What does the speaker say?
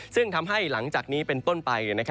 ซึ่งทำให้หลังจากนี้เป็นต้นไป